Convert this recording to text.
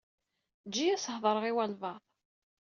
Eǧǧ-iyi ad s-heḍṛeɣ i walebɛaḍ.